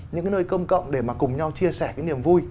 những cái nơi công cộng để mà cùng nhau chia sẻ cái niềm vui